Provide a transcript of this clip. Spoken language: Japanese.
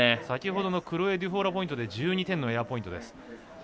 先ほどクロエ・デュフォーラポイントで１２点のエアポイントです。